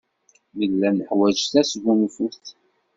Nella neḥwaj tasgunfut.